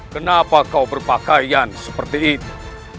kenapa kau berpakaian seperti itu